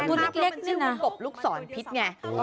พิษของมันเล็กนี่คือกบลูกศรพิษไง